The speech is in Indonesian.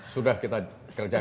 sudah kita kerjakan